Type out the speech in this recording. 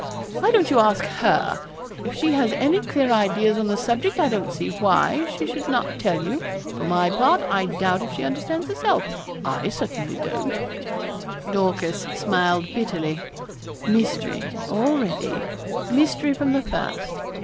Why don't you ask her? If she has any clear ideas on the subject I don't see why she should not tell you. For my part, I doubt if she understands herself I certainly don't.' Dorcas smiled bitterly. 'Mystery already mystery from the first.